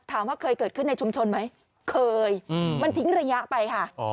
ว่าเคยเกิดขึ้นในชุมชนไหมเคยมันทิ้งระยะไปค่ะ